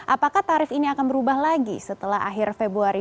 apakah tarif ini akan berubah lagi setelah akhir februari